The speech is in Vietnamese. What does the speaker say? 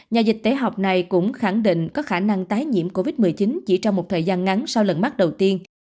nhà dịch tễ học này cũng khẳng định có khả năng tái nhiễm covid một mươi chín chỉ trong một thời gian ngắn sau lần mắc đầu tiên